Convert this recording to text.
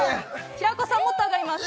平子さんもっと上がります